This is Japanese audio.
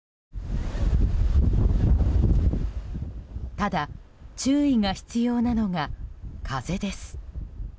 ただ、注意が必要なのが風です。